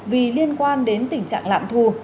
vì liên quan đến tình trạng lạm thu